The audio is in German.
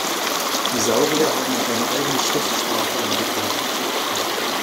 Die Saurier haben auch eine eigene Schriftsprache entwickelt.